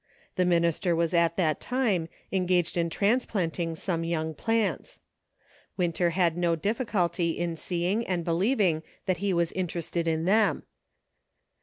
The minister was at that time engaged in transplanting some young plants. Winter had no difficulty in seeing and believing that he was interested in them.